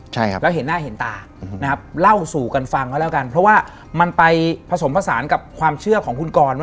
และเห็นหน้าเห็นตาเล่าสู่กันฟังพอแล้วกันเพราะว่ามันไปผสมผสานกับความเชื่อของคุณกรว่า